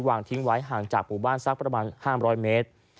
วางทิ้งไว้ห่างจากหมู่บ้านสักประมาณ๕๐๐เมตร